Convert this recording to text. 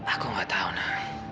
aku nggak tahu nek